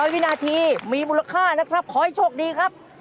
วินาทีมีมูลค่านะครับขอให้โชคดีครับ